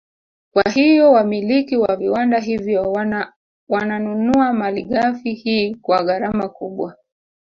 Kwa hiyo wamiliki wa viwanda hivyo wananunua Malighafi hii kwa gharama kubwa